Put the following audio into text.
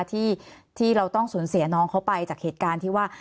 ที่เราต้องสูญเสียน้องเขาไปจากเหตุการณ์ที่ว่า